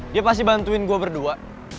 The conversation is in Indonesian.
dia pasti bantuin gue berdua